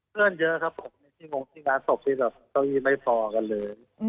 เพื่อนเยอะครับผมในช่วงที่งานศพที่เจ้าอีกไม่ต่อกันเลย